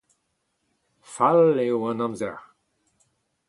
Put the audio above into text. Fall eo an amzer.